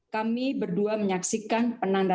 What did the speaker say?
kami berdua menyaksikan penanda